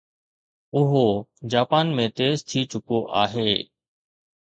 اهو جاپان ۾ تيز ٿي چڪو آهي